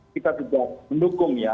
kita juga mendukung ya